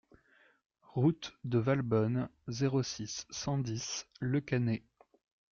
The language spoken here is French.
Route de Valbonne, zéro six, cent dix Le Cannet